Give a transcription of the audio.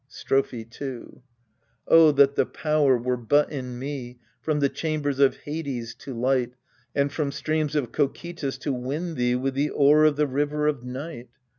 Strophe 2 O that the power were but in me, From the chambers of Hades, to light, And from streams of Cocytus, to win thee With the oar of the river of night